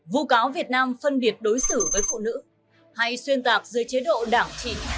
vụ cáo việt nam phân biệt đối xử với phụ nữ hay xuyên tạc dưới chế độ đảng trị